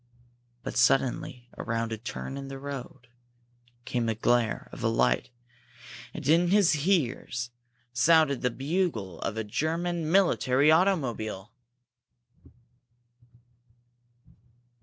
But suddenly, around a turn in the road, came a glare of light, and in his ears sounded the bugle of a German military automobile.